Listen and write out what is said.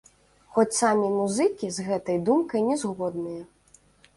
Хоць самі музыкі з гэтай думкай не згодныя.